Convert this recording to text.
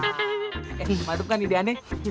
eh mantep kan ide aneh